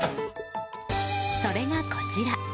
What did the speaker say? それが、こちら。